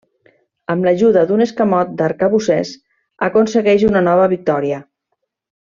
Amb l'ajuda d'un escamot d'arcabussers, aconsegueix una nova victòria.